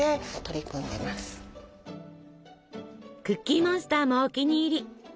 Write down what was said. クッキーモンスターもお気に入り！